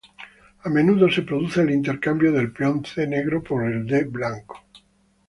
A menudo se produce el intercambio del peón c negro por el d blanco.